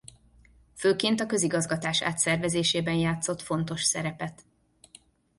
Főként a közigazgatás átszervezésében játszott fontos szerepet.